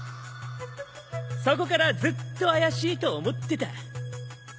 そこからずっと怪しいと思ってた。